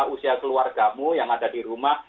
usia keluargamu yang ada di rumah